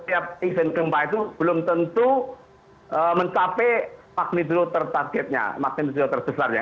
setiap event gempa itu belum tentu mencapai magnitudo tertargetnya magnitudo terbesarnya